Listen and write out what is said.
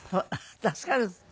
助かるって。